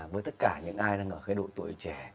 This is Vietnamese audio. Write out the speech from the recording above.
với tất cả những ai đang ở cái độ tuổi trẻ